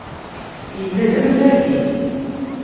Yella-d am targit.